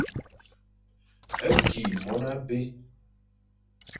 Ki mon abé.